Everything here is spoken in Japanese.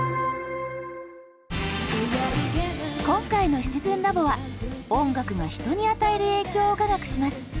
今回の「シチズンラボ」は音楽が人に与える影響をカガクします。